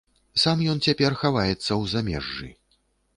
Сам ён цяпер хаваецца ў замежжы.